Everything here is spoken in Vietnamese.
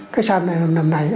cái giam này nằm này